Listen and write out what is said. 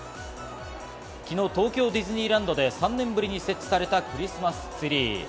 昨日、東京ディズニーランドで３年ぶりに設置されたクリスマスツリー。